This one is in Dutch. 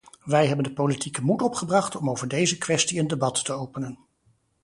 Wij hebben de politieke moed opgebracht om over deze kwestie een debat te openen.